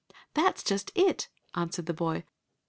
"That s just it," answered the boy.